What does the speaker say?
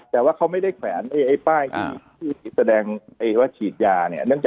แต่ว่าเขาไม่ได้แขวนไอ้ป้ายที่แสดงว่าฉีดยาเนี่ย